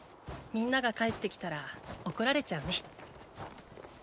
皆が帰って来たら怒られちゃうね。